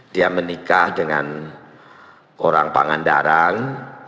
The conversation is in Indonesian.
dia menikah dengan orang pangan darang